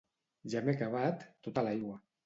Ja m'he acabat tota l'aigua